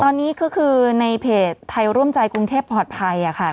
ตอนนี้ก็คือในเพจไทยร่วมใจกรุงเทพปลอดภัยค่ะ